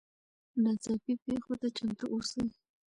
ناڅاپي پیښو ته چمتو اوسئ.